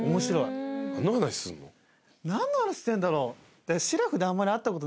何の話してんだろう？